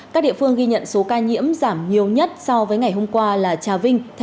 các địa phương ghi nhận số ca nhiễm giảm nhiều nhất so với ngày hôm qua là trà vinh